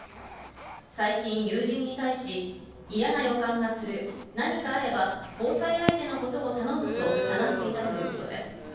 最近、友人に対し嫌な予感がする、何かあれば交際相手のことを頼むと話していたということです。